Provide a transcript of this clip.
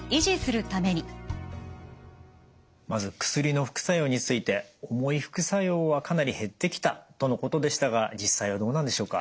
まず薬の副作用について重い副作用はかなり減ってきたとのことでしたが実際はどうなんでしょうか？